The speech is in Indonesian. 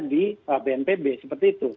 di bnpb seperti itu